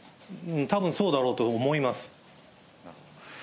たぶん、そうだろうと思います。